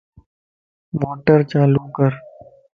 موٽر چالو ڪر